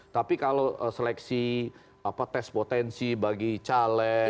tapi kalau seleksi tes potensi bagi caleg